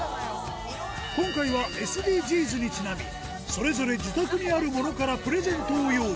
今回は、ＳＤＧｓにちなみ、それぞれ自宅にあるものからプレゼントを用意。